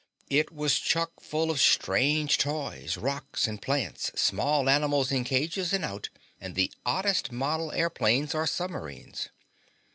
It was chuckful of strange toys, rocks and plants, small animals in cages and out, and the oddest model airplanes, or submarines.